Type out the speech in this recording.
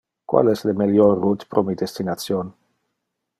Qual es le melior route pro mi destination?